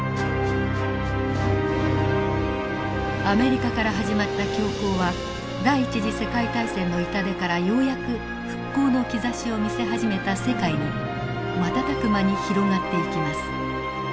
アメリカから始まった恐慌は第一次世界大戦の痛手からようやく復興の兆しを見せ始めた世界に瞬く間に広がっていきます。